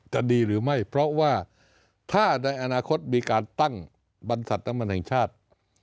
จะดีหรือไม่เพราะว่าถ้าในอนาคตมีการตั้งบรรษัทน้ำมันแห่งชาติ